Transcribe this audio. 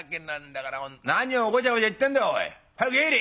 「何をごちゃごちゃ言ってんだよおい。早く入れ！」。